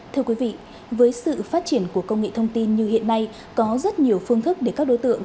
thưa quý vị với sự phát triển của công nghệ thông tin như hiện nay có rất nhiều phương thức để các đối tượng